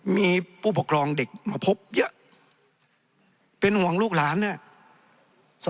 มีผู้ปกครองเด็กมาพบเยอะเป็นห่วงลูกหลานเนี่ย